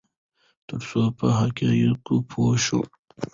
ترڅو په حقایقو پوه شو.